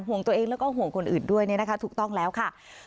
ห่วงตัวเองแล้วก็ห่วงคนอื่นด้วยเนี่ยนะคะถูกต้องแล้วค่ะ